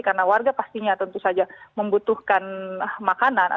karena warga pastinya tentu saja membutuhkan makanan